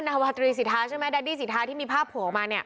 นาวาตรีสิทธาใช่ไหมแดดดี้สิทธาที่มีภาพโผล่ออกมาเนี่ย